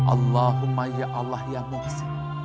allahumma ya allah ya maksi